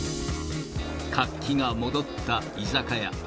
活気が戻った居酒屋。